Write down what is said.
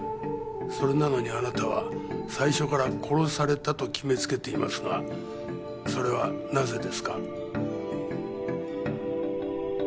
それなのにあなたは最初から殺されたと決めつけていますがそれはなぜですか？